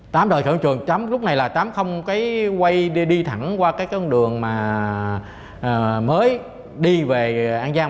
tám rời khỏi hiện trường tám lúc này là tám không quay đi thẳng qua cái con đường mà mới đi về an giang